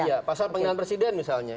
iya pasal penghinaan presiden misalnya